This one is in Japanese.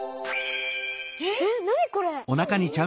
えっ何これ？